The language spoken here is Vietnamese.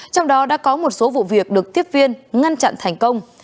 trong đó đã có một số vụ việc được tiếp viên ngăn chặn thành công